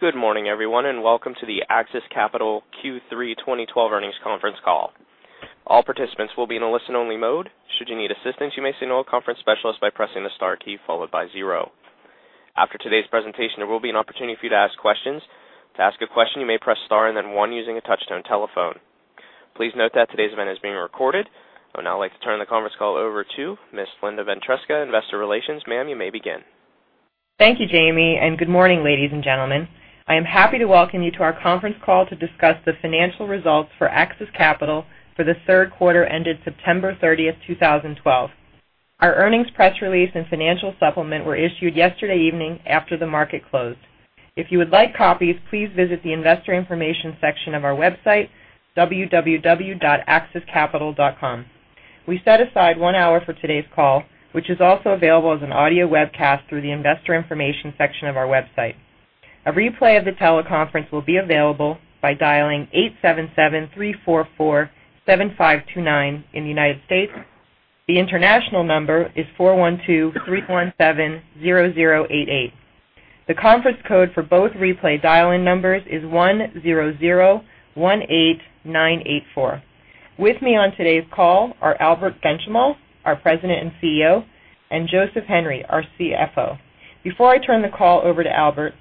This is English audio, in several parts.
Good morning, everyone, and welcome to the AXIS Capital Q3 2012 earnings conference call. All participants will be in a listen-only mode. Should you need assistance, you may signal a conference specialist by pressing the star key followed by zero. After today's presentation, there will be an opportunity for you to ask questions. To ask a question, you may press star and then one using a touch-tone telephone. Please note that today's event is being recorded. I would now like to turn the conference call over to Ms. Linda Ventresca, investor relations. Ma'am, you may begin. Thank you, Jamie, and good morning, ladies and gentlemen. I am happy to welcome you to our conference call to discuss the financial results for AXIS Capital for the third quarter ended September 30th, 2012. Our earnings press release and financial supplement were issued yesterday evening after the market closed. If you would like copies, please visit the investor information section of our website, www.axiscapital.com. We set aside one hour for today's call, which is also available as an audio webcast through the investor information section of our website. A replay of the teleconference will be available by dialing 877-344-7529 in the United States. The international number is 412-317-0088. The conference code for both replay dial-in numbers is 10018984. With me on today's call are Albert Benchimol, our President and CEO, and Joseph Henry, our CFO. Before I turn the call over to Albert,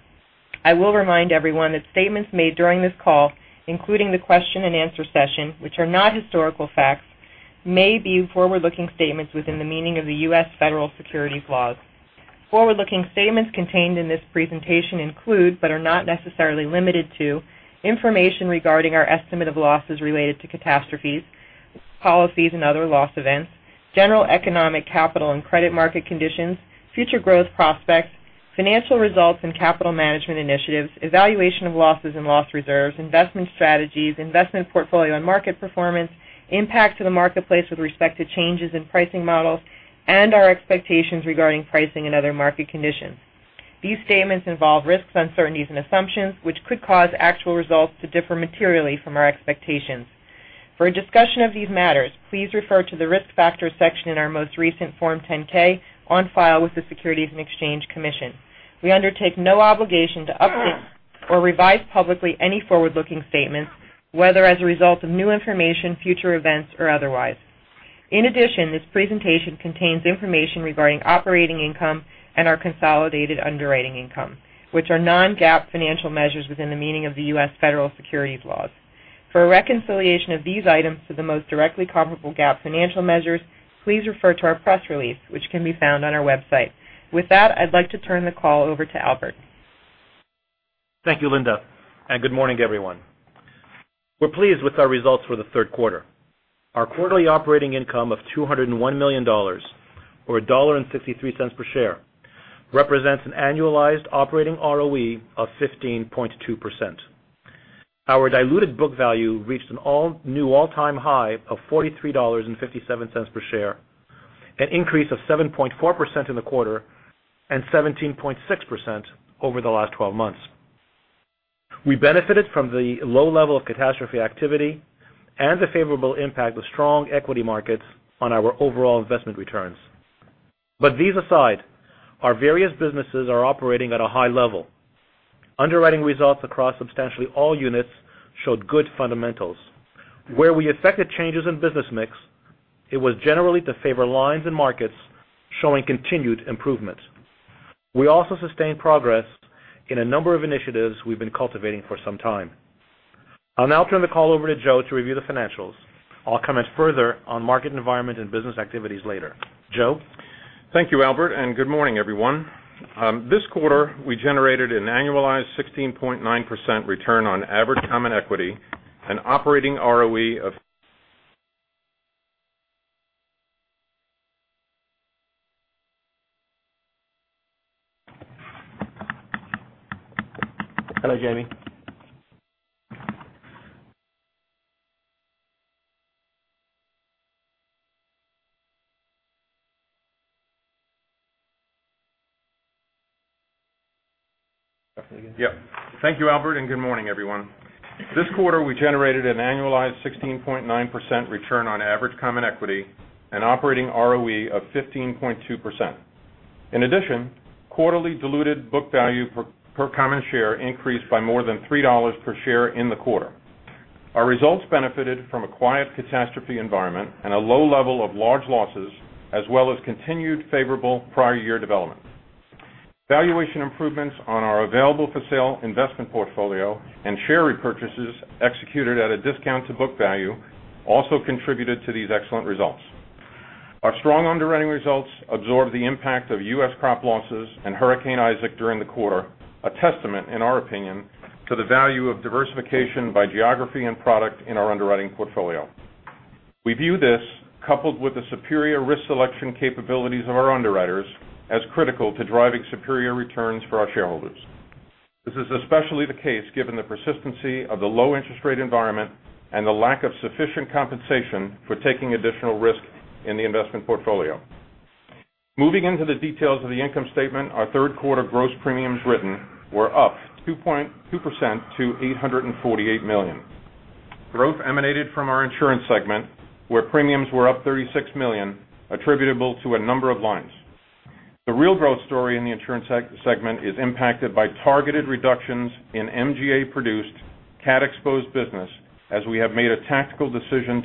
I will remind everyone that statements made during this call, including the question and answer session, which are not historical facts, may be forward-looking statements within the meaning of the U.S. Federal Securities laws. Forward-looking statements contained in this presentation include, but are not necessarily limited to, information regarding our estimate of losses related to catastrophes, policies and other loss events, general economic capital and credit market conditions, future growth prospects, financial results and capital management initiatives, evaluation of losses and loss reserves, investment strategies, investment portfolio and market performance, impact to the marketplace with respect to changes in pricing models, and our expectations regarding pricing and other market conditions. For a discussion of these matters, please refer to the risk factors section in our most recent Form 10-K on file with the Securities and Exchange Commission. We undertake no obligation to update or revise publicly any forward-looking statements, whether as a result of new information, future events, or otherwise. In addition, this presentation contains information regarding operating income and our consolidated underwriting income, which are non-GAAP financial measures within the meaning of the U.S. Federal Securities laws. For a reconciliation of these items to the most directly comparable GAAP financial measures, please refer to our press release, which can be found on our website. With that, I'd like to turn the call over to Albert. Thank you, Linda, and good morning, everyone. We're pleased with our results for the third quarter. Our quarterly operating income of $201 million, or $1.63 per share, represents an annualized operating ROE of 15.2%. Our diluted book value reached an all-new, all-time high of $43.57 per share, an increase of 7.4% in the quarter and 17.6% over the last 12 months. These aside, our various businesses are operating at a high level. Underwriting results across substantially all units showed good fundamentals. Where we affected changes in business mix, it was generally to favor lines and markets showing continued improvement. We also sustained progress in a number of initiatives we've been cultivating for some time. I'll now turn the call over to Joe to review the financials. I'll comment further on market environment and business activities later. Joe? Thank you, Albert, and good morning, everyone. This quarter, we generated an annualized 16.9% return on average common equity and operating ROE. Hello, Jamie. Yep. Thank you, Albert, good morning, everyone. This quarter, we generated an annualized 16.9% return on average common equity and operating ROE of 15.2%. In addition, quarterly diluted book value per common share increased by more than $3 per share in the quarter. Our results benefited from a quiet catastrophe environment and a low level of large losses, as well as continued favorable prior year development. Valuation improvements on our available-for-sale investment portfolio and share repurchases executed at a discount to book value also contributed to these excellent results. Our strong underwriting results absorbed the impact of U.S. crop losses and Hurricane Isaac during the quarter, a testament, in our opinion, to the value of diversification by geography and product in our underwriting portfolio. We view this, coupled with the superior risk selection capabilities of our underwriters, as critical to driving superior returns for our shareholders. This is especially the case given the persistency of the low interest rate environment and the lack of sufficient compensation for taking additional risk in the investment portfolio. Moving into the details of the income statement, our third quarter gross premiums written were up 2.2% to $848 million. Growth emanated from our insurance segment, where premiums were up $36 million attributable to a number of lines. The real growth story in the insurance segment is impacted by targeted reductions in MGA produced cat exposed business, as we have made a tactical decision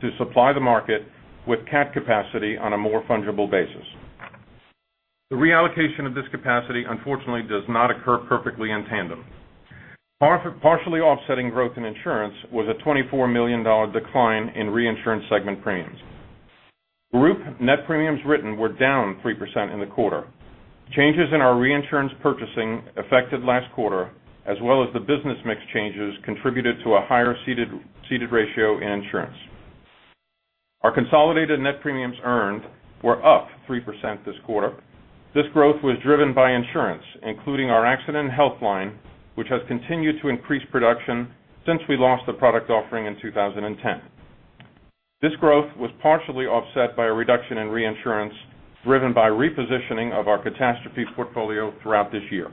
to supply the market with cat capacity on a more fungible basis. The reallocation of this capacity, unfortunately, does not occur perfectly in tandem. Partially offsetting growth in insurance was a $24 million decline in reinsurance segment premiums. Group net premiums written were down 3% in the quarter. Changes in our reinsurance purchasing affected last quarter, as well as the business mix changes contributed to a higher ceded ratio in insurance. Our consolidated net premiums earned were up 3% this quarter. This growth was driven by insurance, including our accident and health line, which has continued to increase production since we lost the product offering in 2010. This growth was partially offset by a reduction in reinsurance, driven by repositioning of our catastrophe portfolio throughout this year.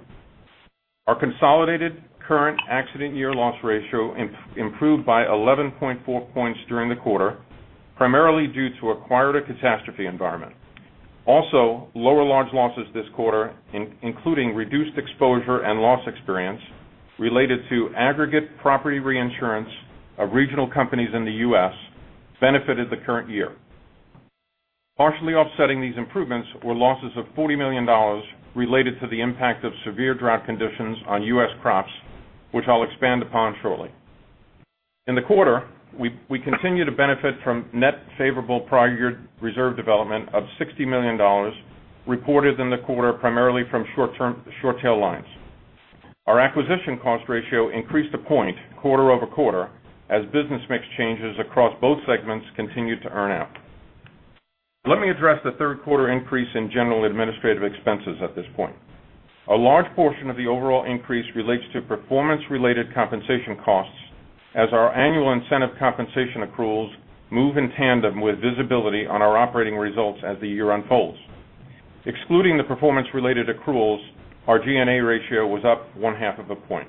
Our consolidated current accident year loss ratio improved by 11.4 points during the quarter, primarily due to a quieter catastrophe environment. Also, lower large losses this quarter, including reduced exposure and loss experience related to aggregate property reinsurance of regional companies in the U.S., benefited the current year. Partially offsetting these improvements were losses of $40 million related to the impact of severe drought conditions on U.S. crops, which I'll expand upon shortly. In the quarter, we continue to benefit from net favorable prior year reserve development of $60 million reported in the quarter, primarily from short tail lines. Our acquisition cost ratio increased a point quarter-over-quarter as business mix changes across both segments continued to earn out. Let me address the third quarter increase in general administrative expenses at this point. A large portion of the overall increase relates to performance related compensation costs as our annual incentive compensation accruals move in tandem with visibility on our operating results as the year unfolds. Excluding the performance related accruals, our G&A ratio was up one half of a point.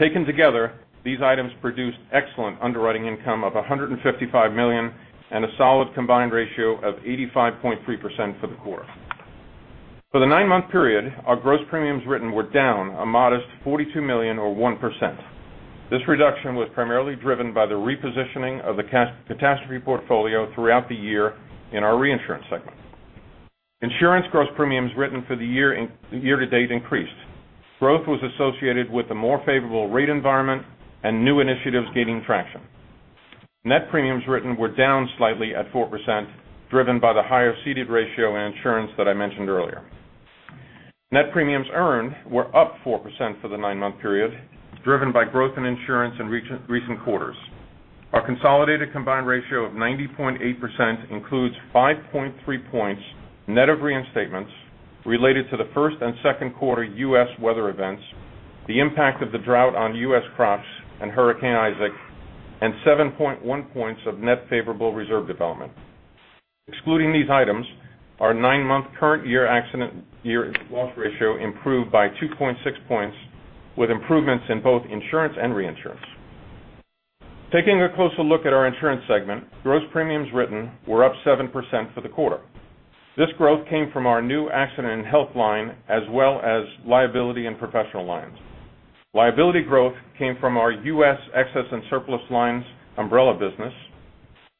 Taken together, these items produced excellent underwriting income of $155 million and a solid combined ratio of 85.3% for the quarter. For the nine-month period, our gross premiums written were down a modest $42 million or 1%. This reduction was primarily driven by the repositioning of the catastrophe portfolio throughout the year in our reinsurance segment. Insurance gross premiums written for the year to date increased. Growth was associated with the more favorable rate environment and new initiatives gaining traction. Net premiums written were down slightly at 4%, driven by the higher ceded ratio in insurance that I mentioned earlier. Net premiums earned were up 4% for the nine-month period, driven by growth in insurance in recent quarters. Our consolidated combined ratio of 90.8% includes 5.3 points net of reinstatements related to the first and second quarter U.S. weather events, the impact of the drought on U.S. crops, and Hurricane Isaac, and 7.1 points of net favorable reserve development. Excluding these items, our nine-month current year accident year loss ratio improved by 2.6 points, with improvements in both insurance and reinsurance. Taking a closer look at our insurance segment, gross premiums written were up 7% for the quarter. This growth came from our new accident and health line, as well as liability and professional lines. Liability growth came from our U.S. excess and surplus lines umbrella business.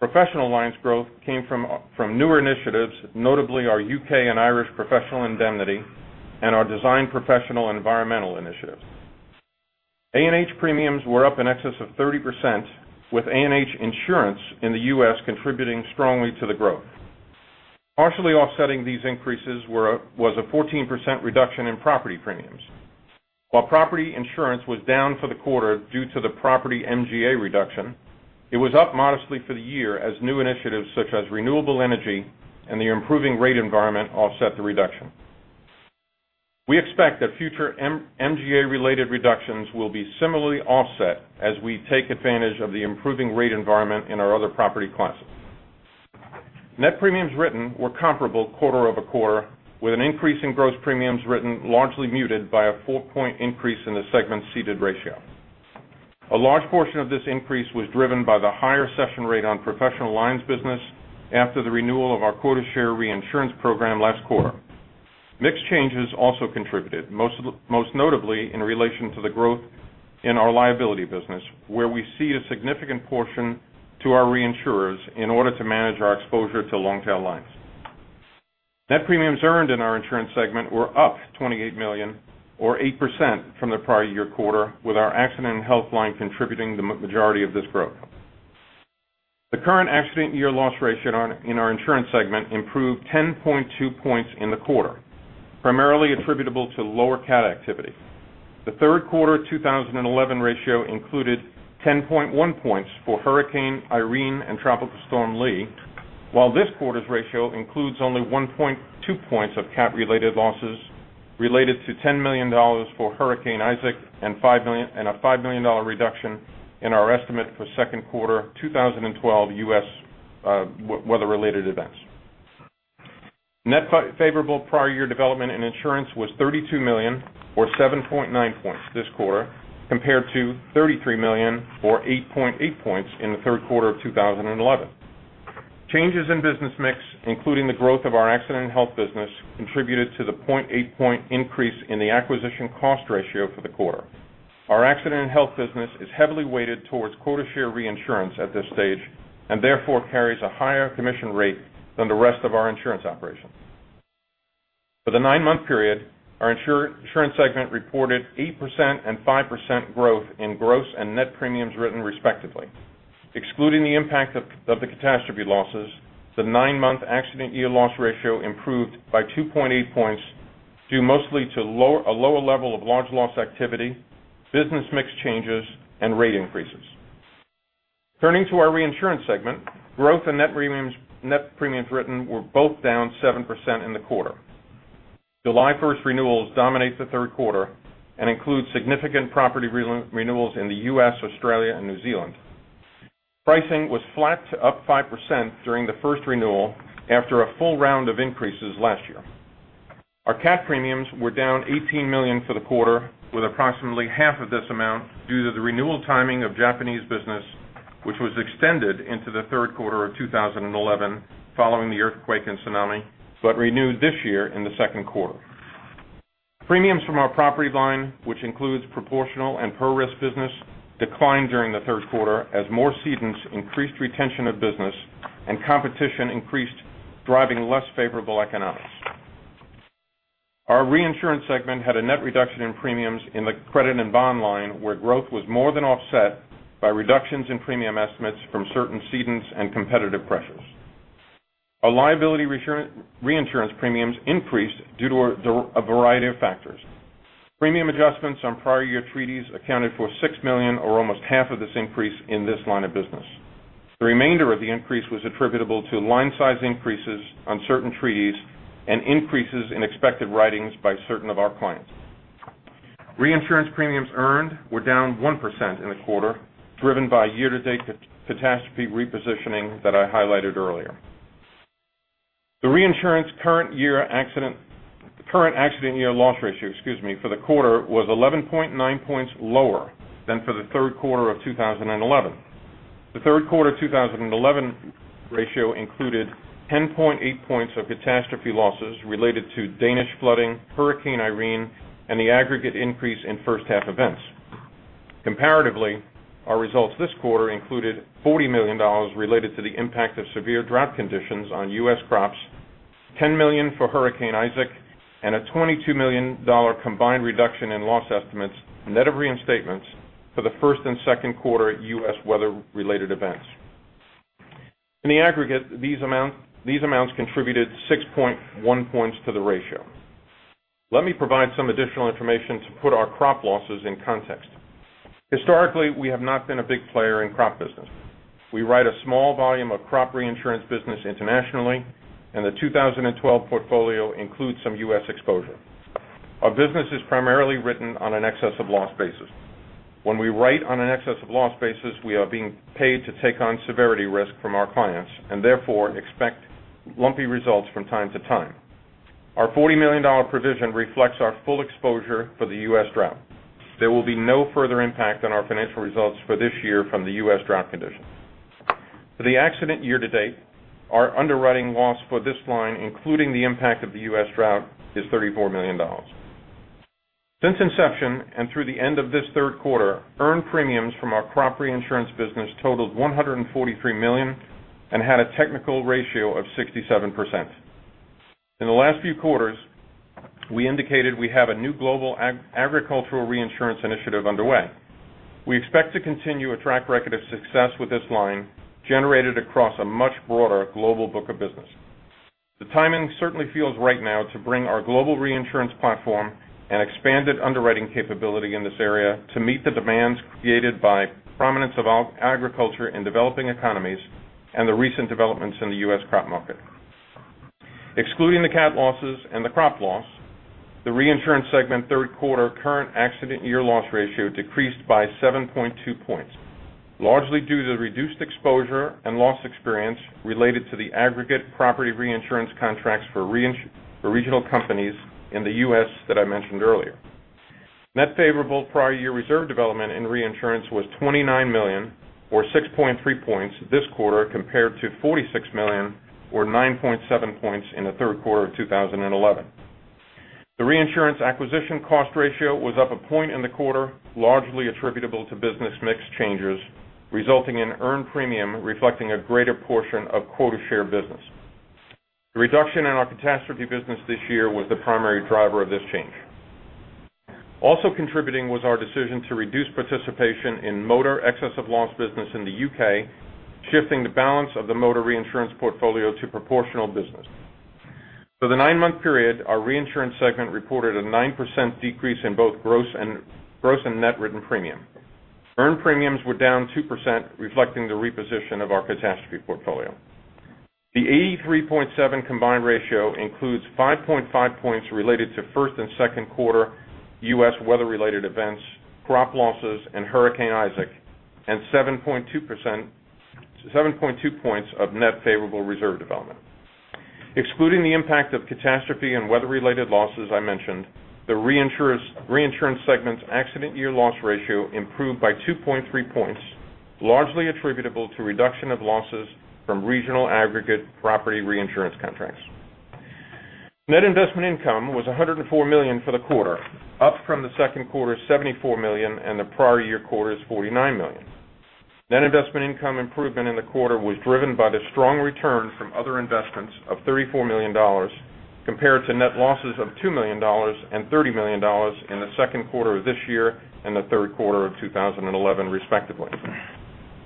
Professional lines growth came from newer initiatives, notably our U.K. and Irish professional indemnity and our design professional environmental initiatives. A&H premiums were up in excess of 30%, with A&H insurance in the U.S. contributing strongly to the growth. Partially offsetting these increases was a 14% reduction in property premiums. While property insurance was down for the quarter due to the property MGA reduction, it was up modestly for the year as new initiatives such as renewable energy and the improving rate environment offset the reduction. We expect that future MGA related reductions will be similarly offset as we take advantage of the improving rate environment in our other property classes. Net premiums written were comparable quarter-over-quarter, with an increase in gross premiums written largely muted by a four-point increase in the segment's ceded ratio. A large portion of this increase was driven by the higher session rate on professional lines business after the renewal of our quota share reinsurance program last quarter. Mix changes also contributed, most notably in relation to the growth in our liability business, where we cede a significant portion to our reinsurers in order to manage our exposure to long tail lines. Net premiums earned in our insurance segment were up $28 million, or 8% from the prior year quarter, with our accident and health line contributing the majority of this growth. The current accident year loss ratio in our insurance segment improved 10.2 points in the quarter, primarily attributable to lower cat activity. The third quarter of 2011 ratio included 10.1 points for Hurricane Irene and Tropical Storm Lee, while this quarter's ratio includes only 1.2 points of cat related losses related to $10 million for Hurricane Isaac and a $5 million reduction in our estimate for second quarter 2012 U.S. weather related events. Net favorable prior year development and insurance was $32 million, or 7.9 points this quarter, compared to $33 million or 8.8 points in the third quarter of 2011. Changes in business mix, including the growth of our accident and health business, contributed to the 0.8 point increase in the acquisition cost ratio for the quarter. Our accident and health business is heavily weighted towards quota share reinsurance at this stage. Therefore, carries a higher commission rate than the rest of our insurance operations. For the nine-month period, our insurance segment reported 8% and 5% growth in gross and net premiums written respectively. Excluding the impact of the catastrophe losses, the nine-month accident year loss ratio improved by 2.8 points, due mostly to a lower level of large loss activity, business mix changes, and rate increases. Turning to our reinsurance segment, growth and net premiums written were both down 7% in the quarter. July 1st renewals dominate the third quarter and include significant property renewals in the U.S., Australia, and New Zealand. Pricing was flat to up 5% during the first renewal after a full round of increases last year. Our cat premiums were down $18 million for the quarter, with approximately half of this amount due to the renewal timing of Japanese business, which was extended into the third quarter of 2011 following the earthquake and tsunami, but renewed this year in the second quarter. Premiums from our property line, which includes proportional and per risk business, declined during the third quarter as more cedents increased retention of business and competition increased, driving less favorable economics. Our reinsurance segment had a net reduction in premiums in the credit and bond line, where growth was more than offset by reductions in premium estimates from certain cedents and competitive pressures. Our liability reinsurance premiums increased due to a variety of factors. Premium adjustments on prior year treaties accounted for $6 million or almost half of this increase in this line of business. The remainder of the increase was attributable to line size increases on certain treaties and increases in expected writings by certain of our clients. Reinsurance premiums earned were down 1% in the quarter, driven by year to date catastrophe repositioning that I highlighted earlier. The reinsurance current accident year loss ratio for the quarter was 11.9 points lower than for the third quarter of 2011. The third quarter 2011 ratio included 10.8 points of catastrophe losses related to Danish flooding, Hurricane Irene, and the aggregate increase in first half events. Comparatively, our results this quarter included $40 million related to the impact of severe drought conditions on U.S. crops, $10 million for Hurricane Isaac, and a $22 million combined reduction in loss estimates, net of reinstatements for the first and second quarter U.S. weather-related events. In the aggregate, these amounts contributed 6.1 points to the ratio. Let me provide some additional information to put our crop losses in context. Historically, we have not been a big player in crop business. We write a small volume of crop reinsurance business internationally. The 2012 portfolio includes some U.S. exposure. Our business is primarily written on an excess of loss basis. When we write on an excess of loss basis, we are being paid to take on severity risk from our clients and therefore expect lumpy results from time to time. Our $40 million provision reflects our full exposure for the U.S. drought. There will be no further impact on our financial results for this year from the U.S. drought condition. For the accident year to date, our underwriting loss for this line, including the impact of the U.S. drought, is $34 million. Since inception and through the end of this third quarter, earned premiums from our crop reinsurance business totaled $143 million and had a technical ratio of 67%. In the last few quarters, we indicated we have a new global agricultural reinsurance initiative underway. We expect to continue a track record of success with this line generated across a much broader global book of business. The timing certainly feels right now to bring our global reinsurance platform and expanded underwriting capability in this area to meet the demands created by prominence of agriculture in developing economies and the recent developments in the U.S. crop market. Excluding the cat losses and the crop loss, the reinsurance segment third quarter current accident year loss ratio decreased by 7.2 points, largely due to the reduced exposure and loss experience related to the aggregate property reinsurance contracts for regional companies in the U.S. that I mentioned earlier. Net favorable prior year reserve development in reinsurance was $29 million, or 6.3 points this quarter compared to $46 million or 9.7 points in the third quarter of 2011. The reinsurance acquisition cost ratio was up a point in the quarter, largely attributable to business mix changes, resulting in earned premium reflecting a greater portion of quota share business. The reduction in our catastrophe business this year was the primary driver of this change. Also contributing was our decision to reduce participation in motor excess of loss business in the U.K., shifting the balance of the motor reinsurance portfolio to proportional business. For the nine-month period, our reinsurance segment reported a 9% decrease in both gross and net written premium. Earned premiums were down 2%, reflecting the reposition of our catastrophe portfolio. The 83.7 combined ratio includes 5.5 points related to first and second quarter U.S. weather-related events, crop losses, and Hurricane Isaac, and 7.2 points of net favorable reserve development. Excluding the impact of catastrophe and weather-related losses I mentioned, the reinsurance segment's accident year loss ratio improved by 2.3 points, largely attributable to reduction of losses from regional aggregate property reinsurance contracts. Net investment income was $104 million for the quarter, up from the second quarter's $74 million and the prior year quarter's $49 million. Net investment income improvement in the quarter was driven by the strong return from other investments of $34 million, compared to net losses of $2 million and $30 million in the second quarter of this year, and the third quarter of 2011, respectively.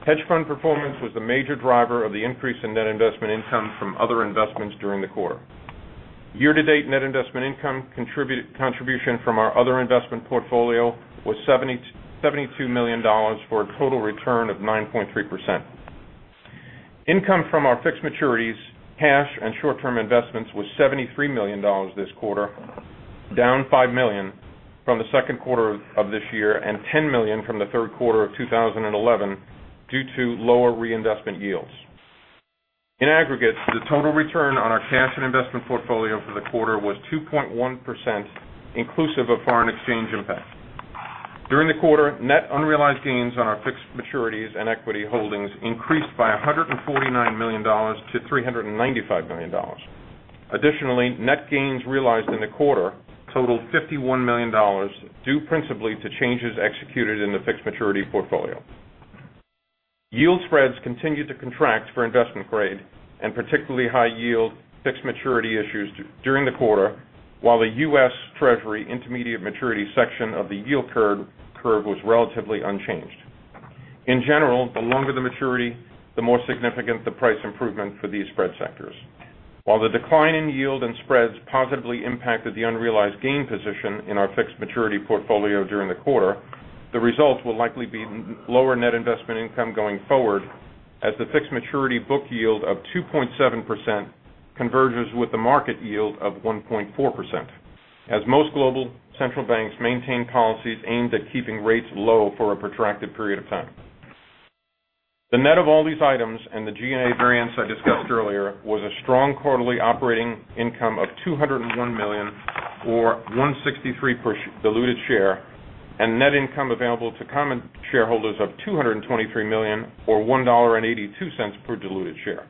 Hedge fund performance was the major driver of the increase in net investment income from other investments during the quarter. Year-to-date net investment income contribution from our other investment portfolio was $72 million, for a total return of 9.3%. Income from our fixed maturities, cash, and short-term investments was $73 million this quarter, down $5 million from the second quarter of this year, and $10 million from the third quarter of 2011 due to lower reinvestment yields. In aggregate, the total return on our cash and investment portfolio for the quarter was 2.1%, inclusive of foreign exchange impact. During the quarter, net unrealized gains on our fixed maturities and equity holdings increased by $149 million to $395 million. Additionally, net gains realized in the quarter totaled $51 million, due principally to changes executed in the fixed maturity portfolio. Yield spreads continued to contract for investment grade and particularly high yield fixed maturity issues during the quarter, while the U.S. Treasury intermediate maturity section of the yield curve was relatively unchanged. In general, the longer the maturity, the more significant the price improvement for these spread sectors. While the decline in yield and spreads positively impacted the unrealized gain position in our fixed maturity portfolio during the quarter, the results will likely be lower net investment income going forward as the fixed maturity book yield of 2.7% converges with the market yield of 1.4%, as most global central banks maintain policies aimed at keeping rates low for a protracted period of time. The net of all these items and the G&A variance I discussed earlier was a strong quarterly operating income of $201 million, or $1.63 per diluted share, and net income available to common shareholders of $223 million, or $1.82 per diluted share.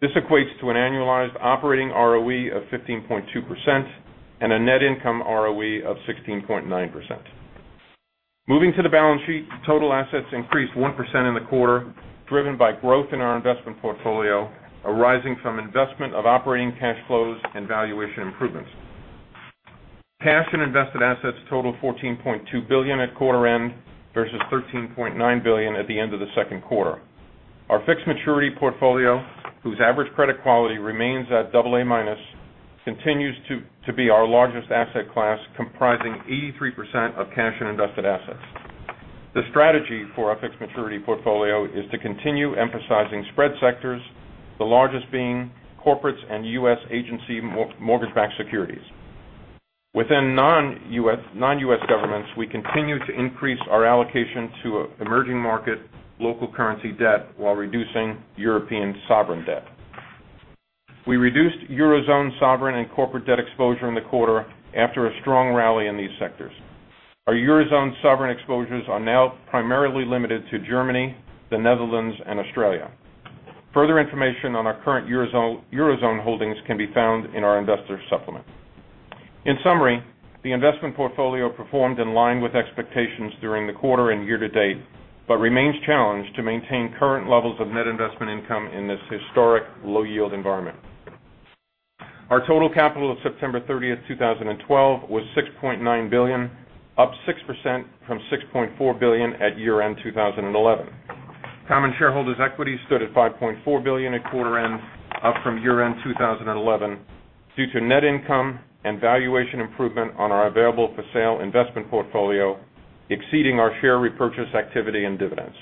This equates to an annualized operating ROE of 15.2% and a net income ROE of 16.9%. Moving to the balance sheet, total assets increased 1% in the quarter, driven by growth in our investment portfolio, arising from investment of operating cash flows and valuation improvements. Cash and invested assets total $14.2 billion at quarter end versus $13.9 billion at the end of the second quarter. Our fixed maturity portfolio, whose average credit quality remains at double A minus, continues to be our largest asset class, comprising 83% of cash and invested assets. The strategy for our fixed maturity portfolio is to continue emphasizing spread sectors, the largest being corporates and U.S. agency mortgage-backed securities. Within non-U.S. governments, we continue to increase our allocation to emerging market local currency debt while reducing European sovereign debt. We reduced Eurozone sovereign and corporate debt exposure in the quarter after a strong rally in these sectors. Our Eurozone sovereign exposures are now primarily limited to Germany, the Netherlands, and Australia. Further information on our current Eurozone holdings can be found in our investor supplement. In summary, the investment portfolio performed in line with expectations during the quarter and year to date, but remains challenged to maintain current levels of net investment income in this historic low-yield environment. Our total capital of September 30th, 2012, was $6.9 billion, up 6% from $6.4 billion at year-end 2011. Common shareholders' equity stood at $5.4 billion at quarter end, up from year-end 2011 due to net income and valuation improvement on our available-for-sale investment portfolio exceeding our share repurchase activity and dividends.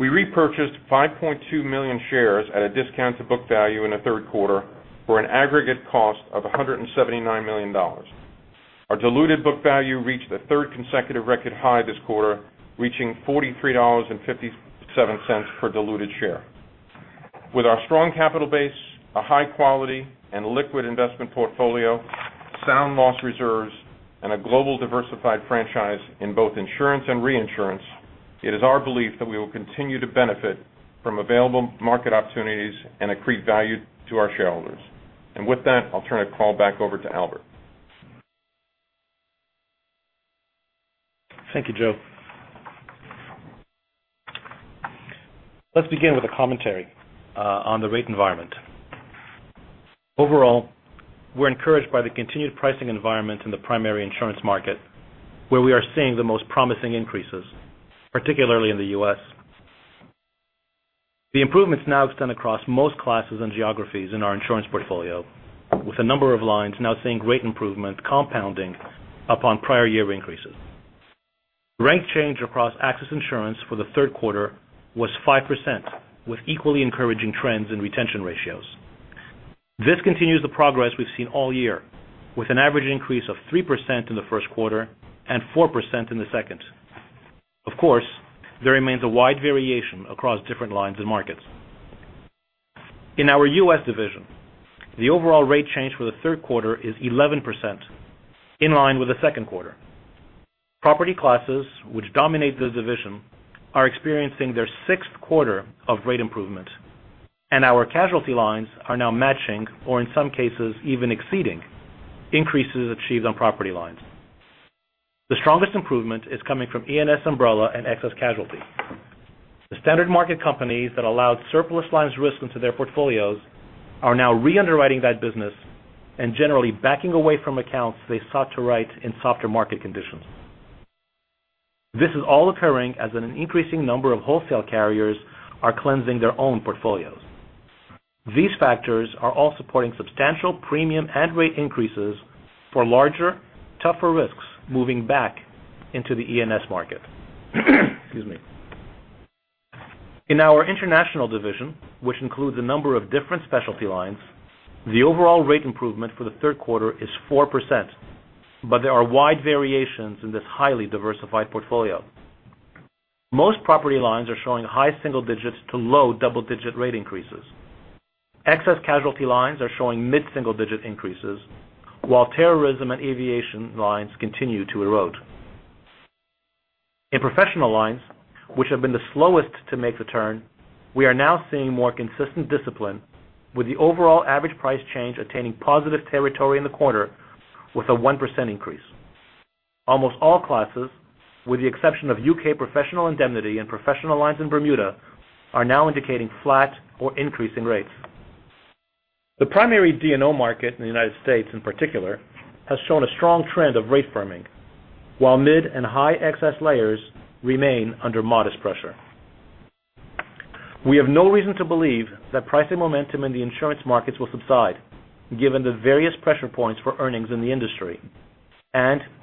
We repurchased 5.2 million shares at a discount to book value in the third quarter for an aggregate cost of $179 million. Our diluted book value reached a third consecutive record high this quarter, reaching $43.57 per diluted share. With our strong capital base, a high quality and liquid investment portfolio, sound loss reserves, and a global diversified franchise in both insurance and reinsurance, it is our belief that we will continue to benefit from available market opportunities and accrete value to our shareholders. With that, I'll turn the call back over to Albert. Thank you, Joe. Let's begin with a commentary on the rate environment. Overall, we're encouraged by the continued pricing environment in the primary insurance market, where we are seeing the most promising increases, particularly in the U.S. The improvements now extend across most classes and geographies in our insurance portfolio, with a number of lines now seeing rate improvement compounding upon prior year increases. Rate change across AXIS Insurance for the third quarter was 5%, with equally encouraging trends in retention ratios. This continues the progress we've seen all year, with an average increase of 3% in the first quarter and 4% in the second. Of course, there remains a wide variation across different lines and markets. In our U.S. division, the overall rate change for the third quarter is 11%, in line with the second quarter. Property classes, which dominate the division, are experiencing their sixth quarter of rate improvement, and our casualty lines are now matching or in some cases even exceeding increases achieved on property lines. The strongest improvement is coming from E&S umbrella and excess casualty. The standard market companies that allowed surplus lines risk into their portfolios are now re-underwriting that business and generally backing away from accounts they sought to write in softer market conditions. This is all occurring as an increasing number of wholesale carriers are cleansing their own portfolios. These factors are all supporting substantial premium and rate increases for larger, tougher risks moving back into the E&S market. Excuse me. In our international division, which includes a number of different specialty lines, the overall rate improvement for the third quarter is 4%, but there are wide variations in this highly diversified portfolio. Most property lines are showing high single digits to low double-digit rate increases. Excess casualty lines are showing mid-single-digit increases, while terrorism and aviation lines continue to erode. In professional lines, which have been the slowest to make the turn, we are now seeing more consistent discipline with the overall average price change attaining positive territory in the quarter with a 1% increase. Almost all classes, with the exception of U.K. professional indemnity and professional lines in Bermuda, are now indicating flat or increasing rates. The primary D&O market in the United States in particular, has shown a strong trend of rate firming, while mid and high excess layers remain under modest pressure.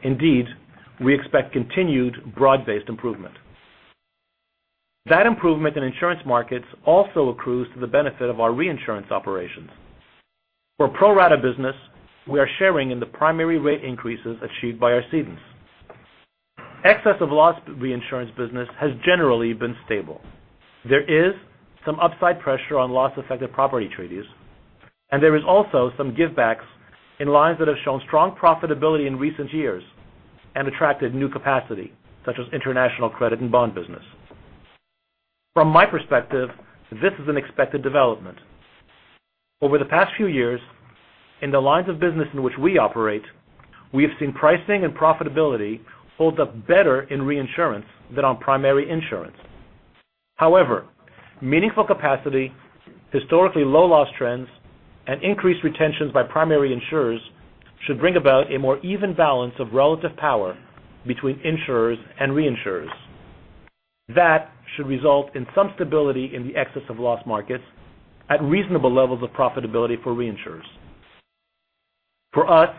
Indeed, we expect continued broad-based improvement. That improvement in insurance markets also accrues to the benefit of our reinsurance operations. For pro-rata business, we are sharing in the primary rate increases achieved by our cedents. Excess of loss reinsurance business has generally been stable. There is some upside pressure on loss-affected property treaties. There is also some givebacks in lines that have shown strong profitability in recent years and attracted new capacity, such as international credit and bond business. From my perspective, this is an expected development. Over the past few years, in the lines of business in which we operate, we have seen pricing and profitability hold up better in reinsurance than on primary insurance. However, meaningful capacity, historically low loss trends, and increased retentions by primary insurers should bring about a more even balance of relative power between insurers and reinsurers. That should result in some stability in the excess of loss markets at reasonable levels of profitability for reinsurers. For us,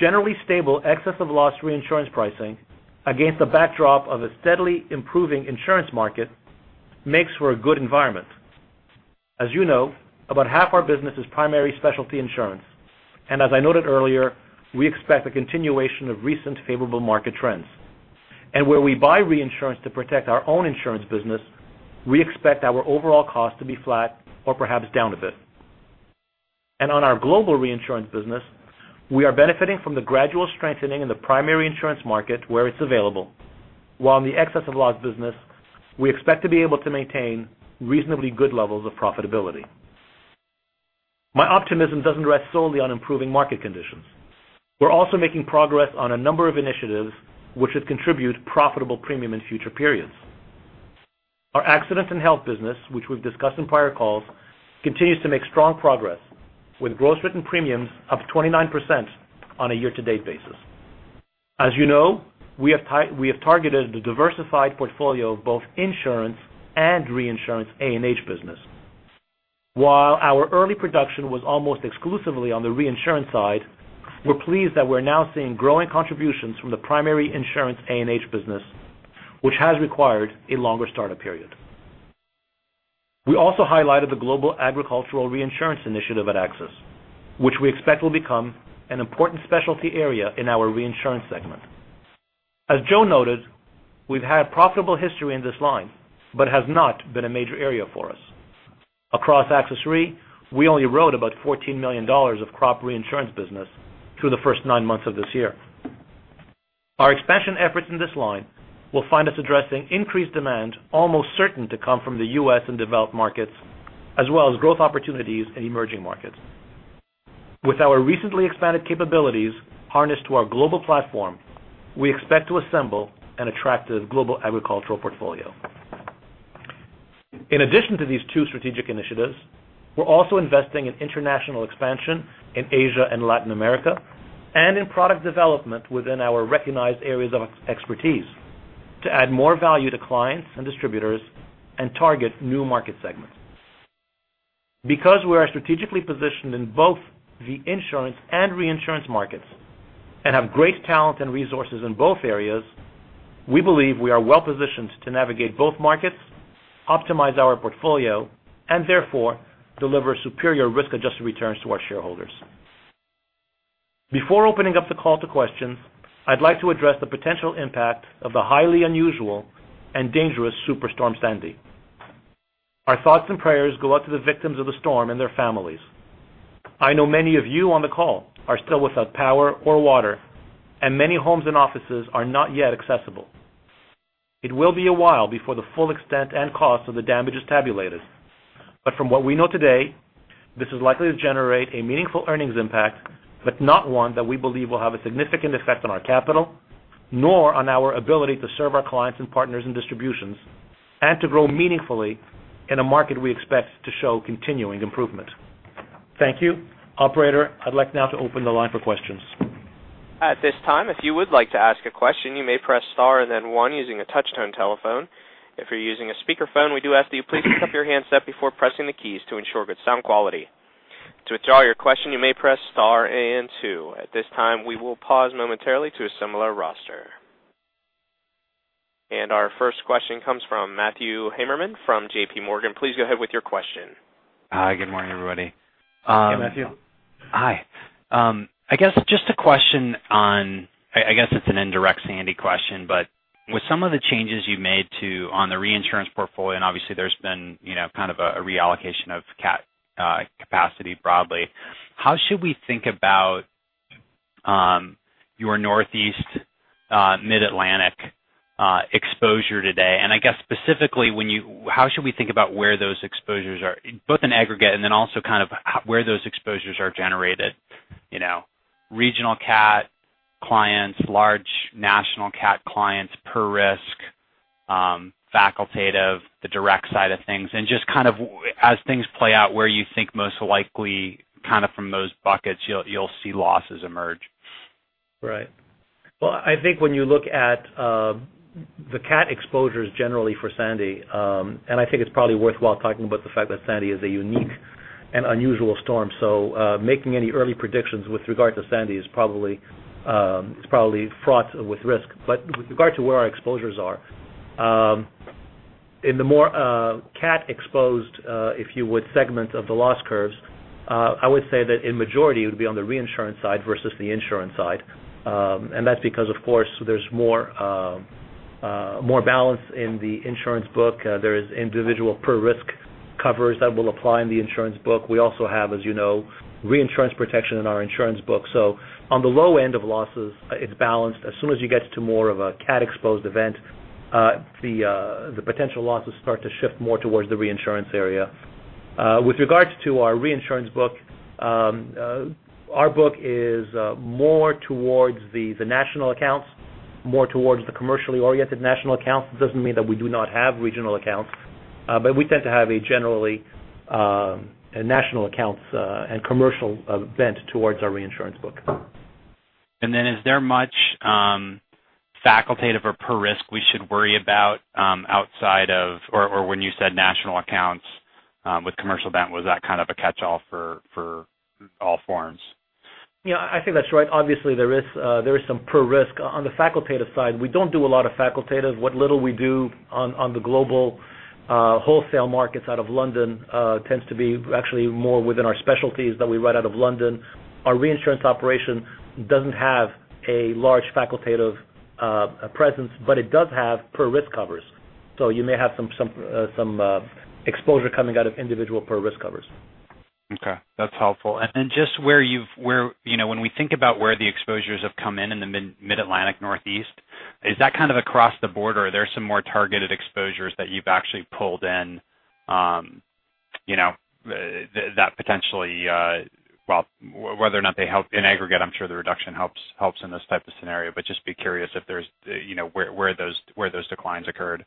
generally stable excess of loss reinsurance pricing against the backdrop of a steadily improving insurance market makes for a good environment. As you know, about half our business is primary specialty insurance. As I noted earlier, we expect a continuation of recent favorable market trends. Where we buy reinsurance to protect our own insurance business, we expect our overall cost to be flat or perhaps down a bit. On our global reinsurance business, we are benefiting from the gradual strengthening in the primary insurance market where it's available. While in the excess of loss business, we expect to be able to maintain reasonably good levels of profitability. My optimism doesn't rest solely on improving market conditions. We're also making progress on a number of initiatives which should contribute profitable premium in future periods. Our accidents and health business, which we've discussed in prior calls, continues to make strong progress with gross written premiums up 29% on a year-to-date basis. As you know, we have targeted the diversified portfolio of both insurance and reinsurance A&H business. While our early production was almost exclusively on the reinsurance side, we're pleased that we're now seeing growing contributions from the primary insurance A&H business, which has required a longer startup period. We also highlighted the global agricultural reinsurance initiative at AXIS, which we expect will become an important specialty area in our reinsurance segment. As Joe noted, we've had profitable history in this line, but it has not been a major area for us. Across AXIS Re, we only wrote about $14 million of crop reinsurance business through the first nine months of this year. Our expansion efforts in this line will find us addressing increased demand almost certain to come from the U.S. and developed markets, as well as growth opportunities in emerging markets. With our recently expanded capabilities harnessed to our global platform, we expect to assemble an attractive global agricultural portfolio. In addition to these two strategic initiatives, we're also investing in international expansion in Asia and Latin America and in product development within our recognized areas of expertise to add more value to clients and distributors and target new market segments. Because we are strategically positioned in both the insurance and reinsurance markets And have great talent and resources in both areas, we believe we are well-positioned to navigate both markets, optimize our portfolio, and therefore deliver superior risk-adjusted returns to our shareholders. Before opening up the call to questions, I'd like to address the potential impact of the highly unusual and dangerous Superstorm Sandy. Our thoughts and prayers go out to the victims of the storm and their families. I know many of you on the call are still without power or water, and many homes and offices are not yet accessible. It will be a while before the full extent and cost of the damage is tabulated. From what we know today, this is likely to generate a meaningful earnings impact, but not one that we believe will have a significant effect on our capital, nor on our ability to serve our clients and partners in distributions, and to grow meaningfully in a market we expect to show continuing improvement. Thank you. Operator, I'd like now to open the line for questions. At this time, if you would like to ask a question, you may press star and then one using a touch-tone telephone. If you're using a speakerphone, we do ask that you please pick up your handset before pressing the keys to ensure good sound quality. To withdraw your question, you may press star and two. At this time, we will pause momentarily to assemble our roster. Our first question comes from Matthew Heimermann from JPMorgan. Please go ahead with your question. Hi, good morning, everybody. Hey, Matthew. Hi. I guess just a question on, I guess it's an indirect Sandy question, with some of the changes you've made on the reinsurance portfolio, obviously there's been kind of a reallocation of cat capacity broadly, how should we think about your Northeast, Mid-Atlantic exposure today? I guess specifically, how should we think about where those exposures are, both in aggregate and also kind of where those exposures are generated? Regional cat clients, large national cat clients, per risk, facultative, the direct side of things, just kind of as things play out, where you think most likely kind of from those buckets you'll see losses emerge. Right. Well, I think when you look at the cat exposures generally for Sandy, I think it's probably worthwhile talking about the fact that Sandy is a unique and unusual storm. Making any early predictions with regard to Sandy is probably fraught with risk. With regard to where our exposures are, in the more cat exposed, if you would, segment of the loss curves, I would say that in majority, it would be on the reinsurance side versus the insurance side. That's because, of course, there's more balance in the insurance book. There is individual per risk covers that will apply in the insurance book. We also have, as you know, reinsurance protection in our insurance book. On the low end of losses, it's balanced. As soon as you get to more of a cat exposed event, the potential losses start to shift more towards the reinsurance area. With regards to our reinsurance book, our book is more towards the national accounts, more towards the commercially oriented national accounts. It doesn't mean that we do not have regional accounts. We tend to have a generally national accounts and commercial bent towards our reinsurance book. Then is there much facultative or per risk we should worry about outside of, or when you said national accounts with commercial bent, was that kind of a catchall for all forms? Yeah, I think that's right. Obviously, there is some per risk. On the facultative side, we don't do a lot of facultative. What little we do on the global wholesale markets out of London tends to be actually more within our specialties that we write out of London. Our reinsurance operation doesn't have a large facultative presence, but it does have per risk covers. You may have some exposure coming out of individual per risk covers. Okay, that's helpful. Just when we think about where the exposures have come in in the Mid-Atlantic, Northeast, is that kind of across the border? Are there some more targeted exposures that you've actually pulled in that potentially, well, whether or not they help in aggregate, I'm sure the reduction helps in this type of scenario, but just be curious if there's where those declines occurred.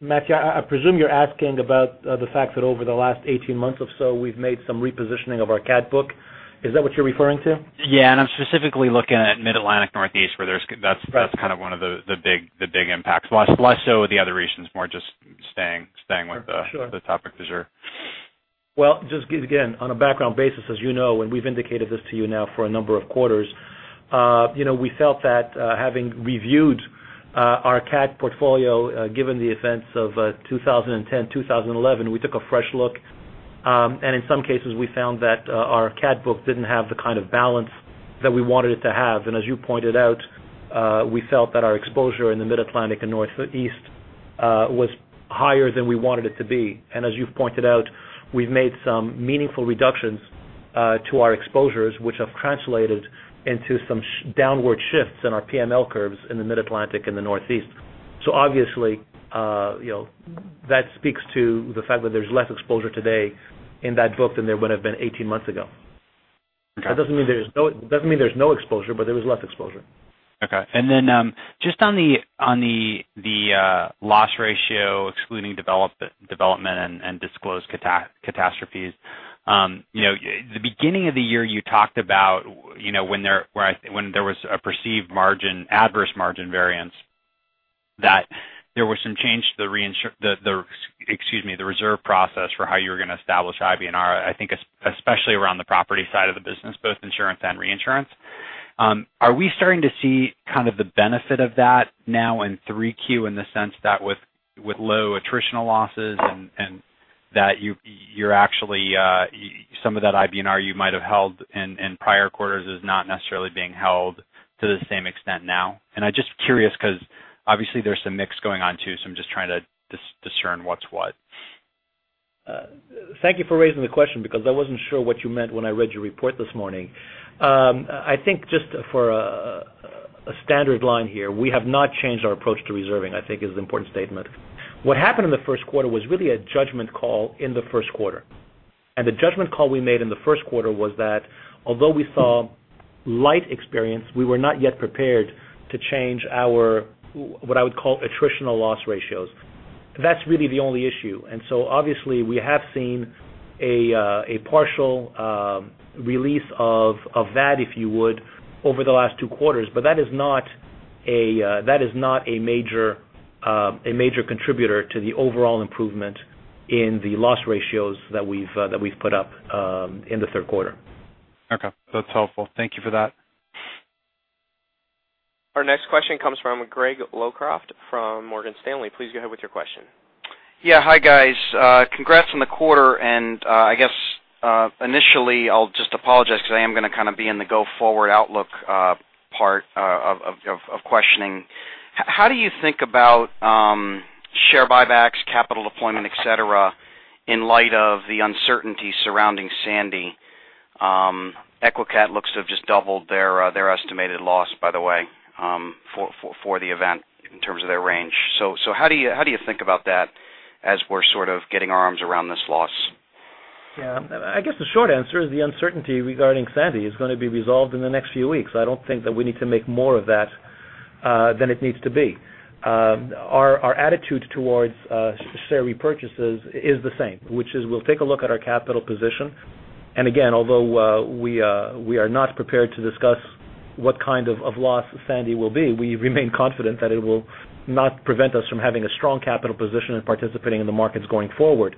Matthew, I presume you're asking about the fact that over the last 18 months or so, we've made some repositioning of our cat book. Is that what you're referring to? Yeah, I'm specifically looking at Mid-Atlantic, Northeast, where that's kind of one of the big impacts. Less so with the other regions, more just staying with the topic du jour. Well, just again, on a background basis as you know, we've indicated this to you now for a number of quarters, we felt that having reviewed our cat portfolio, given the events of 2010, 2011, we took a fresh look. In some cases, we found that our cat book didn't have the kind of balance that we wanted it to have. As you pointed out, we felt that our exposure in the Mid-Atlantic and Northeast was higher than we wanted it to be. As you've pointed out, we've made some meaningful reductions to our exposures, which have translated into some downward shifts in our PML curves in the Mid-Atlantic and the Northeast. Obviously, that speaks to the fact that there's less exposure today in that book than there would have been 18 months ago. Okay. That doesn't mean there's no exposure, but there is less exposure. Okay. Then just on the loss ratio, excluding development and disclosed catastrophes. The beginning of the year, you talked about when there was a perceived adverse margin variance that there was some change to the reserve process for how you were going to establish IBNR, I think especially around the property side of the business, both insurance and reinsurance. Are we starting to see the benefit of that now in Q3 in the sense that with low attritional losses, and that some of that IBNR you might have held in prior quarters is not necessarily being held to the same extent now? I'm just curious because obviously there's some mix going on too, so I'm just trying to discern what's what. Thank you for raising the question because I wasn't sure what you meant when I read your report this morning. I think just for a standard line here, we have not changed our approach to reserving, I think is an important statement. What happened in the first quarter was really a judgment call in the first quarter. The judgment call we made in the first quarter was that although we saw light experience, we were not yet prepared to change our, what I would call attritional loss ratios. That's really the only issue. Obviously we have seen a partial release of that, if you would, over the last 2 quarters. That is not a major contributor to the overall improvement in the loss ratios that we've put up in the 3rd quarter. Okay. That's helpful. Thank you for that. Our next question comes from Greg Locraft from Morgan Stanley. Please go ahead with your question. Yeah. Hi guys. Congrats on the quarter. I guess initially I'll just apologize because I am going to kind of be in the go forward outlook part of questioning. How do you think about share buybacks, capital deployment, et cetera, in light of the uncertainty surrounding Sandy? EQECAT looks to have just doubled their estimated loss, by the way, for the event in terms of their range. How do you think about that as we're sort of getting our arms around this loss? Yeah, I guess the short answer is the uncertainty regarding Sandy is going to be resolved in the next few weeks. I don't think that we need to make more of that than it needs to be. Our attitude towards share repurchases is the same, which is we'll take a look at our capital position. Again, although we are not prepared to discuss what kind of loss Sandy will be, we remain confident that it will not prevent us from having a strong capital position and participating in the markets going forward.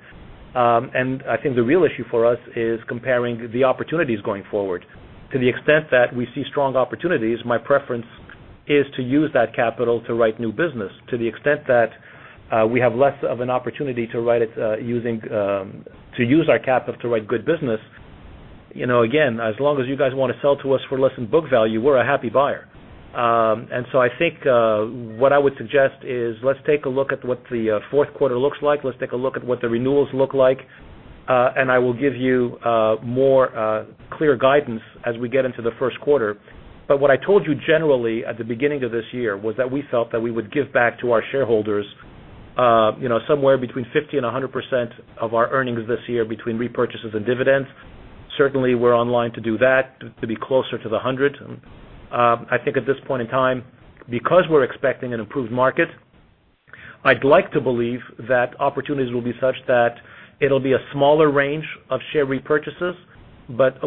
I think the real issue for us is comparing the opportunities going forward. To the extent that we see strong opportunities, my preference is to use that capital to write new business. To the extent that we have less of an opportunity to use our capital to write good business, again, as long as you guys want to sell to us for less than book value, we're a happy buyer. I think, what I would suggest is let's take a look at what the fourth quarter looks like. Let's take a look at what the renewals look like. I will give you more clear guidance as we get into the first quarter. What I told you generally at the beginning of this year was that we felt that we would give back to our shareholders somewhere between 50% and 100% of our earnings this year between repurchases and dividends. Certainly, we're online to do that, to be closer to 100%. I think at this point in time, because we're expecting an improved market, I'd like to believe that opportunities will be such that it'll be a smaller range of share repurchases,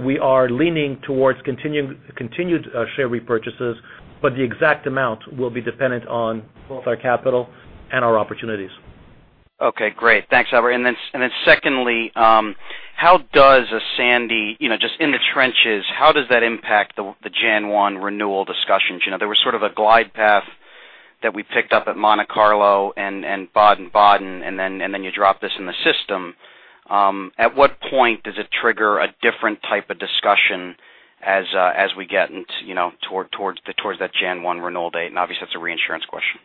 we are leaning towards continued share repurchases, the exact amount will be dependent on both our capital and our opportunities. Okay, great. Thanks, Albert. Secondly, how does a Sandy just in the trenches, how does that impact the January 1 renewal discussions? There was sort of a glide path that we picked up at Monte Carlo and Baden-Baden, you drop this in the system. At what point does it trigger a different type of discussion as we get towards that January 1 renewal date? Obviously that's a reinsurance question.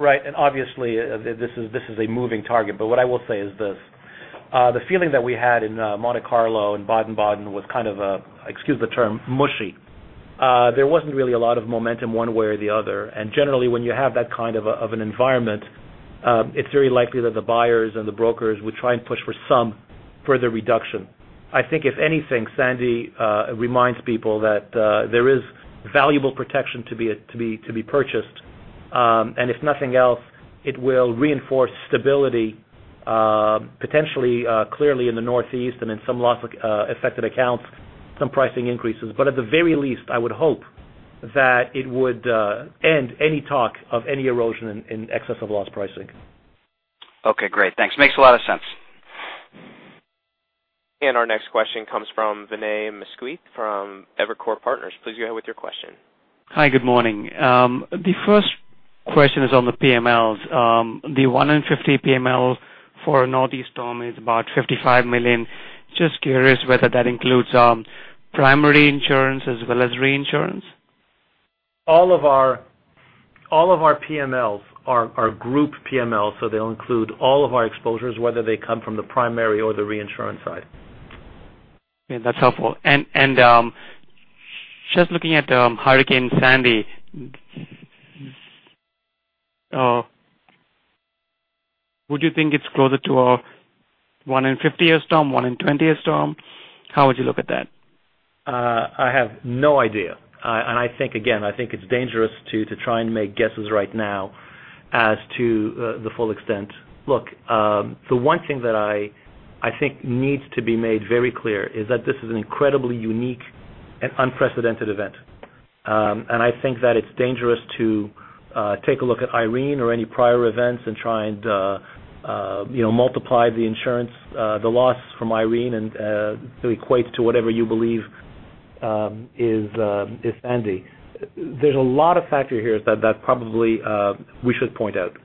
Right. Obviously, this is a moving target, but what I will say is this. The feeling that we had in Monte Carlo and Baden-Baden was kind of a, excuse the term, mushy. There wasn't really a lot of momentum one way or the other. Generally, when you have that kind of an environment, it's very likely that the buyers and the brokers would try and push for some further reduction. I think if anything, Sandy reminds people that there is valuable protection to be purchased. If nothing else, it will reinforce stability, potentially, clearly in the Northeast and in some loss affected accounts, some pricing increases. At the very least, I would hope that it would end any talk of any erosion in excess of loss pricing. Okay, great. Thanks. Makes a lot of sense. Our next question comes from Vinay Misquith from Evercore Partners. Please go ahead with your question. Hi, good morning. The first question is on the PMLs. The one in 50 PML for Northeast Storm is about $55 million. Just curious whether that includes primary insurance as well as reinsurance. All of our PMLs are group PML, so they'll include all of our exposures, whether they come from the primary or the reinsurance side. Okay. That's helpful. Just looking at Hurricane Sandy, would you think it's closer to a one in 50 year storm, one in 20 year storm? How would you look at that? I have no idea. I think, again, I think it's dangerous to try and make guesses right now as to the full extent. Look, the one thing that I think needs to be made very clear is that this is an incredibly unique and unprecedented event. I think that it's dangerous to take a look at Irene or any prior events and try and multiply the insurance, the loss from Irene, and to equate to whatever you believe is Sandy. There's a lot of factors here that probably we should point out.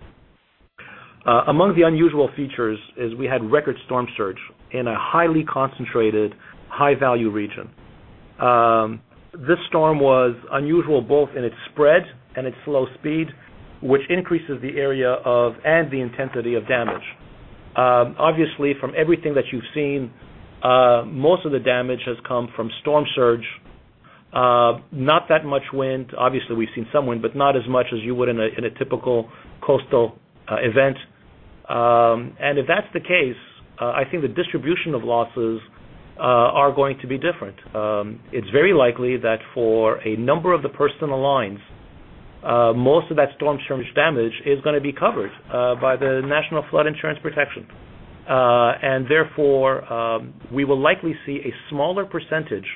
Among the unusual features is we had record storm surge in a highly concentrated high-value region. This storm was unusual both in its spread and its slow speed, which increases the area of and the intensity of damage. Obviously, from everything that you've seen, most of the damage has come from storm surge. Not that much wind. Obviously, we've seen some wind, but not as much as you would in a typical coastal event. If that's the case, I think the distribution of losses are going to be different. It's very likely that for a number of the personal lines, most of that storm surge damage is going to be covered by the National Flood Insurance Program. Therefore, we will likely see a smaller percentage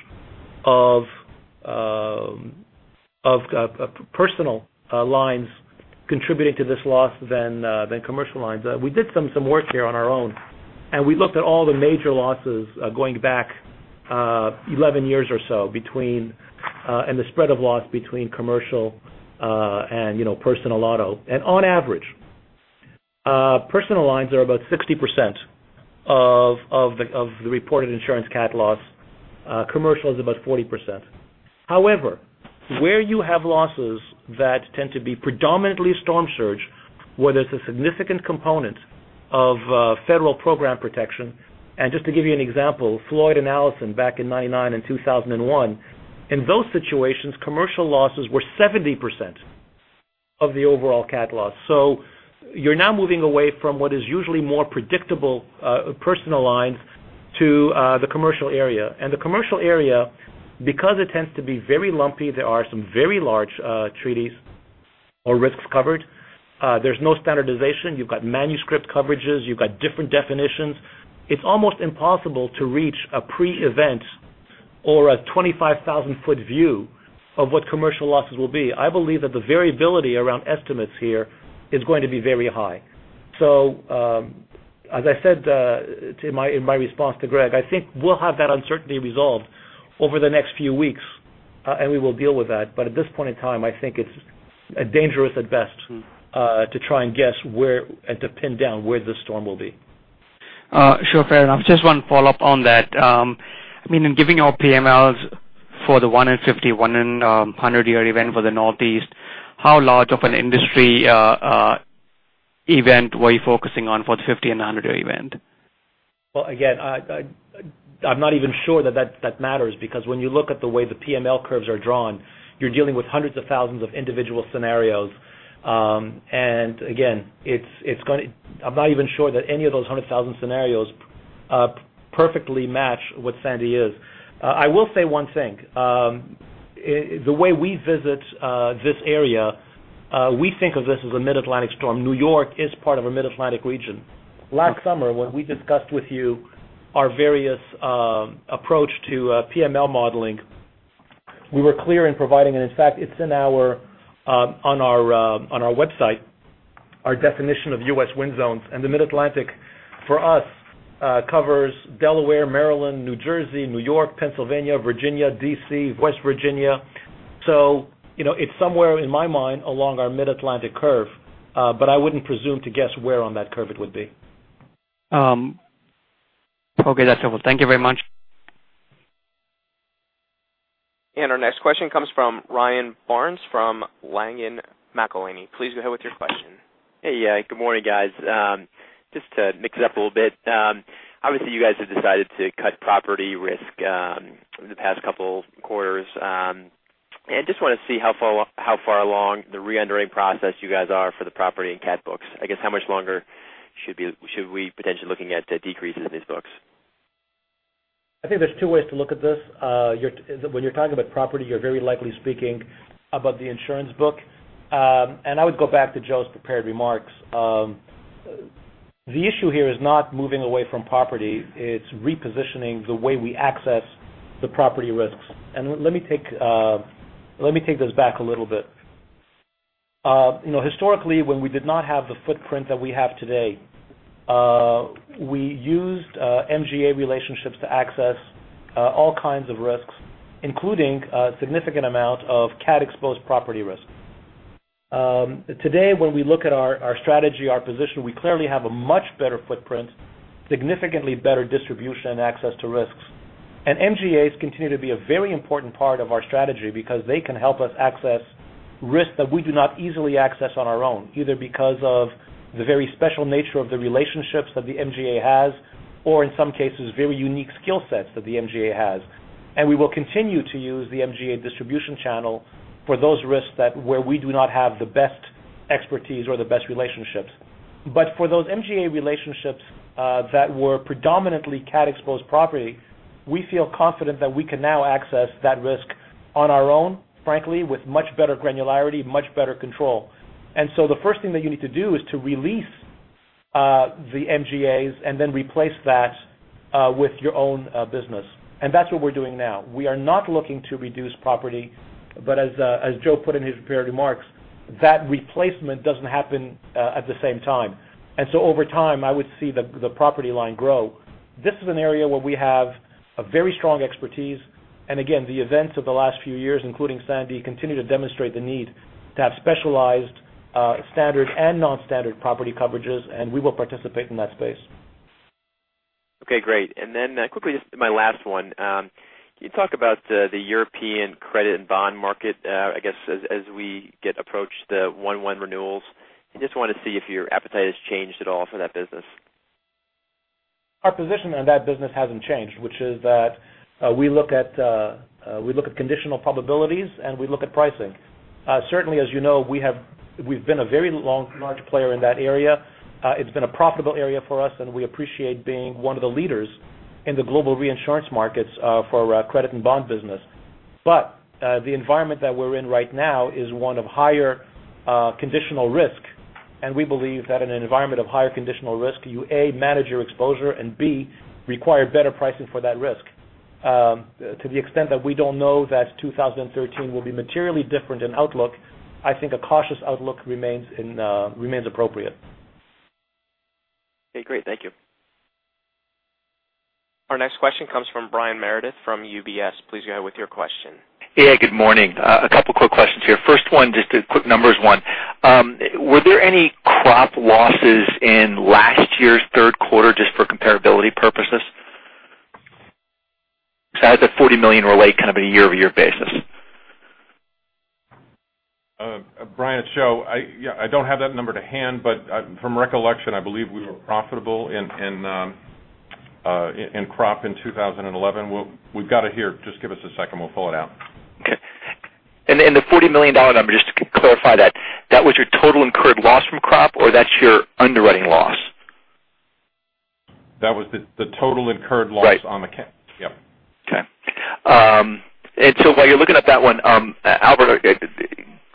of personal lines contributing to this loss than commercial lines. We did some work here on our own, and we looked at all the major losses going back 11 years or so, and the spread of loss between commercial and personal auto. On average, personal lines are about 60% of the reported insurance cat loss. Commercial is about 40%. However, where you have losses that tend to be predominantly storm surge, where there's a significant component of federal program protection. Just to give you an example, Floyd and Allison back in 1999 and 2001. In those situations, commercial losses were 70% of the overall cat loss. You're now moving away from what is usually more predictable personal lines to the commercial area. The commercial area, because it tends to be very lumpy, there are some very large treaties or risks covered. There's no standardization. You've got manuscript coverages. You've got different definitions. It's almost impossible to reach a pre-event or a 25,000-foot view of what commercial losses will be. I believe that the variability around estimates here is going to be very high. As I said in my response to Greg, I think we'll have that uncertainty resolved over the next few weeks. We will deal with that. At this point in time, I think it's dangerous at best to try and guess where and to pin down where the storm will be. Sure. Fair enough. Just one follow-up on that. In giving our PMLs for the one in 50, one in 100-year event for the Northeast, how large of an industry event were you focusing on for the 50 and 100-year event? Well, again, I'm not even sure that matters because when you look at the way the PML curves are drawn, you're dealing with hundreds of thousands of individual scenarios. Again, I'm not even sure that any of those hundred thousand scenarios perfectly match what Sandy is. I will say one thing. The way we visit this area, we think of this as a Mid-Atlantic storm. New York is part of a Mid-Atlantic region. Last summer, when we discussed with you our various approach to PML modeling, we were clear in providing, and in fact it's on our website, our definition of U.S. wind zones. The Mid-Atlantic for us covers Delaware, Maryland, New Jersey, New York, Pennsylvania, Virginia, D.C., West Virginia. It's somewhere in my mind along our Mid-Atlantic curve. I wouldn't presume to guess where on that curve it would be. Okay. That's all. Thank you very much. Our next question comes from Ryan Barnes from Langen McAlenney. Please go ahead with your question. Hey. Good morning, guys. Just to mix it up a little bit. Obviously, you guys have decided to cut property risk in the past couple quarters. Just want to see how far along the re-underwriting process you guys are for the property and cat books. I guess how much longer should we potentially looking at decreases in these books? I think there's two ways to look at this. When you're talking about property, you're very likely speaking about the insurance book. I would go back to Joe's prepared remarks. The issue here is not moving away from property. It's repositioning the way we access the property risks. Let me take this back a little bit. Historically, when we did not have the footprint that we have today, we used MGA relationships to access all kinds of risks, including a significant amount of cat-exposed property risk. Today, when we look at our strategy, our position, we clearly have a much better footprint, significantly better distribution and access to risks. MGAs continue to be a very important part of our strategy because they can help us access risk that we do not easily access on our own, either because of the very special nature of the relationships that the MGA has, or in some cases, very unique skill sets that the MGA has. We will continue to use the MGA distribution channel for those risks where we do not have the best expertise or the best relationships. For those MGA relationships that were predominantly cat-exposed property, we feel confident that we can now access that risk on our own, frankly, with much better granularity, much better control. The first thing that you need to do is to release the MGAs and then replace that with your own business. That's what we're doing now. We are not looking to reduce property, but as Joe put in his prepared remarks, that replacement doesn't happen at the same time. Over time, I would see the property line grow. This is an area where we have a very strong expertise. Again, the events of the last few years, including Sandy, continue to demonstrate the need to have specialized standard and non-standard property coverages, and we will participate in that space. Okay, great. Quickly, just my last one. Can you talk about the European credit and bond market? I guess, as we get approach the 1/1 renewals, I just want to see if your appetite has changed at all for that business. Our position on that business hasn't changed, which is that we look at conditional probabilities, and we look at pricing. Certainly, as you know, we've been a very large player in that area. It's been a profitable area for us, and we appreciate being one of the leaders in the global reinsurance markets for credit and bond business. The environment that we're in right now is one of higher conditional risk, and we believe that in an environment of higher conditional risk, you, A, manage your exposure, and B, require better pricing for that risk. To the extent that we don't know that 2013 will be materially different in outlook, I think a cautious outlook remains appropriate. Okay, great. Thank you. Our next question comes from Brian Meredith from UBS. Please go ahead with your question. Yeah, good morning. A couple quick questions here. First one, just a quick numbers one. Were there any crop losses in last year's third quarter just for comparability purposes? How does the $40 million relate kind of on a year-over-year basis? Brian, it's Joe. I don't have that number to hand, from recollection, I believe we were profitable in crop in 2011. We've got it here. Just give us a second. We'll pull it out. Okay. The $40 million number, just to clarify that was your total incurred loss from crop, or that's your underwriting loss? That was the total incurred loss on the Right. Yep. Okay. While you're looking at that one, Albert,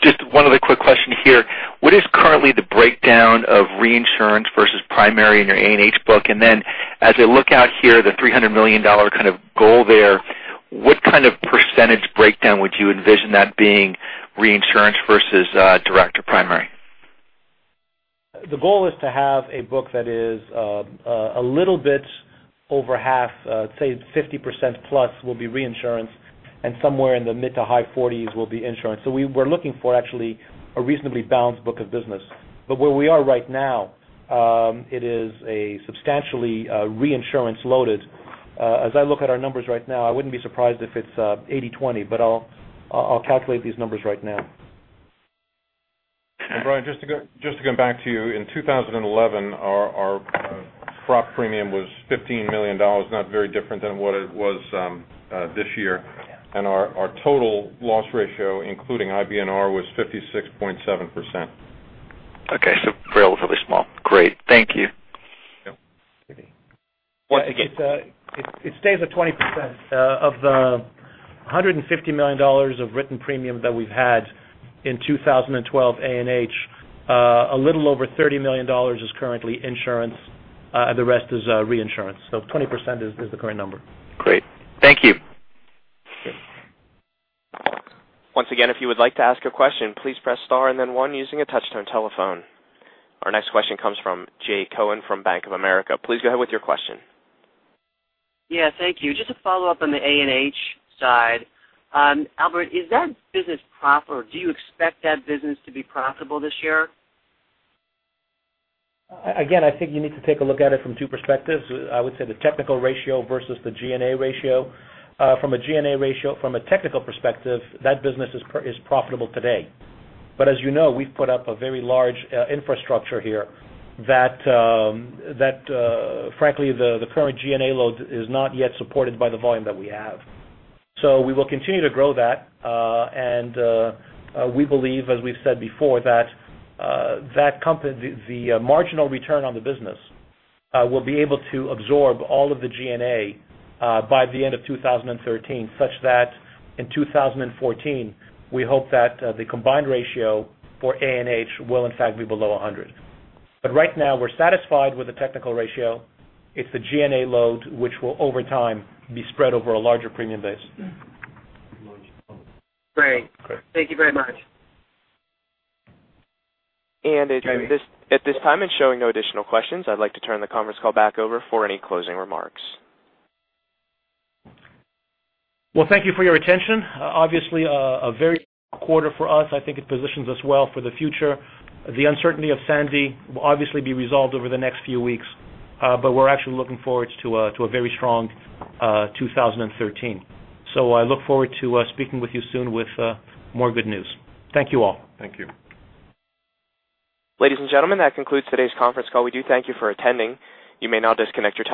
just one other quick question here. What is currently the breakdown of reinsurance versus primary in your A&H book? Then as I look out here, the $300 million kind of goal there, what kind of % breakdown would you envision that being reinsurance versus direct to primary? The goal is to have a book that is a little bit over half, say 50% plus will be reinsurance, and somewhere in the mid to high forties will be insurance. We're looking for actually a reasonably balanced book of business. Where we are right now, it is a substantially reinsurance loaded. As I look at our numbers right now, I wouldn't be surprised if it's 80/20, but I'll calculate these numbers right now. Brian, just to come back to you, in 2011, our crop premium was $15 million, not very different than what it was this year. Our total loss ratio, including IBNR, was 56.7%. Okay, relatively small. Great. Thank you. Yep. It stays at 20%. Of the $150 million of written premium that we've had in 2012 A&H, a little over $30 million is currently insurance. The rest is reinsurance. Twenty percent is the current number. Great. Thank you. Sure. Once again, if you would like to ask a question, please press star and then one using a touch-tone telephone. Our next question comes from Jay Cohen from Bank of America. Please go ahead with your question. Yeah, thank you. Just a follow-up on the A&H side. Albert, is that business proper? Do you expect that business to be profitable this year? Again, I think you need to take a look at it from two perspectives. I would say the technical ratio versus the G&A ratio. From a G&A ratio, from a technical perspective, that business is profitable today. As you know, we've put up a very large infrastructure here that frankly, the current G&A load is not yet supported by the volume that we have. We will continue to grow that. We believe, as we've said before, that the marginal return on the business will be able to absorb all of the G&A by the end of 2013, such that in 2014, we hope that the combined ratio for A&H will in fact be below 100. Right now, we're satisfied with the technical ratio. It's the G&A load which will over time be spread over a larger premium base. Great. Thank you very much. At this time, it's showing no additional questions. I'd like to turn the conference call back over for any closing remarks. Well, thank you for your attention. Obviously, a very strong quarter for us. I think it positions us well for the future. The uncertainty of Sandy will obviously be resolved over the next few weeks. We're actually looking forward to a very strong 2013. I look forward to speaking with you soon with more good news. Thank you all. Thank you. Ladies and gentlemen, that concludes today's conference call. We do thank you for attending. You may now disconnect your telephones.